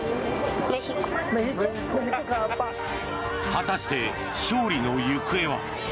果たして勝利の行方は。